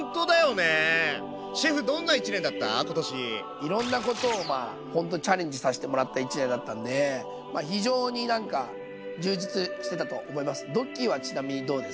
いろんなことをまあほんとにチャレンジさせてもらった一年だったんで非常になんか充実してたと思います。